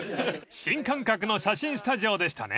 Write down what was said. ［新感覚の写真スタジオでしたね］